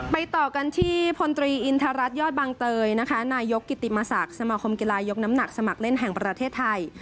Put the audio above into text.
ต่อกันที่พลตรีอินทรัศนยอดบางเตยนะคะนายกกิติมศักดิ์สมาคมกีฬายกน้ำหนักสมัครเล่นแห่งประเทศไทย